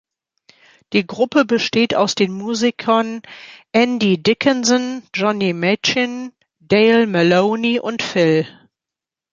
Die Gruppe besteht aus den Musikern Andy Dickenson, Johnny Machin, Dale Maloney und Phil.